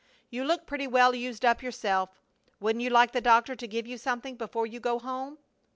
You look pretty well used up yourself. Wouldn't you like the doctor to give you something before you go home?"